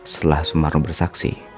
setelah sumarno bersaksi